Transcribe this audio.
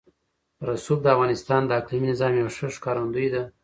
رسوب د افغانستان د اقلیمي نظام یوه ښه ښکارندوی ده.